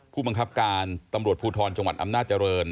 ผู้บังคับการตำรวจภูทรจังหวัดอำนาจริง